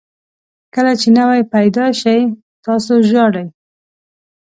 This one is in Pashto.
کله چې نوی پیدا شئ تاسو ژاړئ.